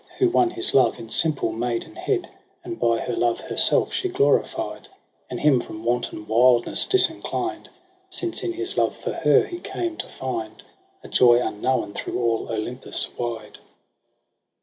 Who won his love, in simple maidenhead : And by her love herself she glorified, And him from wanton wildness disinclined j Since in his love for her he came to find A joy unknown through all Olympus wide.